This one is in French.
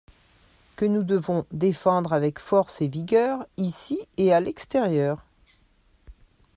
que nous devons défendre avec force et vigueur, ici et à l’extérieur.